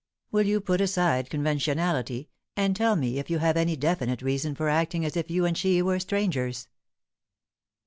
Will you put aside conventionality, and tell me if you have any definite reason for acting as if you and she were strangers?"